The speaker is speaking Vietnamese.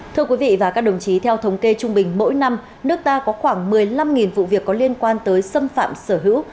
thưa quý vị và các đồng chí theo thống kê trung bình mỗi năm nước ta có khoảng một mươi năm vụ việc có liên quan tới xâm phạm sở hữu